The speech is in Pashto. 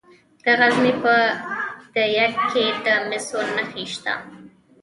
د غزني په ده یک کې د مسو نښې شته.